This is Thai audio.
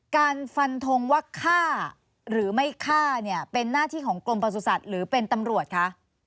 การฟันทงว่าฆ่าหรือไม่ฆ่าเนี่ยเป็นหน้าที่ของกรมประสุทธิ์หรือเป็นตำรวจคะ